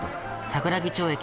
桜木町駅！